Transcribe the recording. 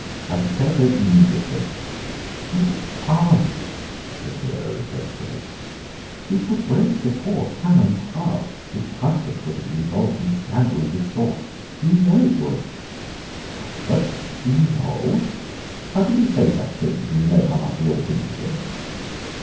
I shall telephone immediately—" "Oh, aunt," said Vera reproachfully, "it would break the poor Canon's heart if Cuthbert were to be involved in a scandal of this sort. You know it would." "Cuthbert involved! How can you say such things when you know how much we all think of him?"